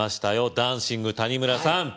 ダンシング☆谷村さん